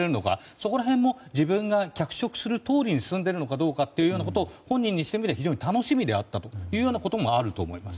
そこら辺も自分が脚色するとおりに進んでいるのかどうかも本人にしてみれば、非常に楽しみであったということもあると思います。